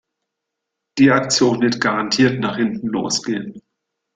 Die Aktion wird garantiert nach hinten los gehen.